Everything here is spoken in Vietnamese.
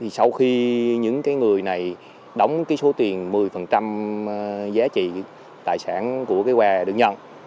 sau khi những người này đóng số tiền một mươi giá trị tài sản của quà được nhận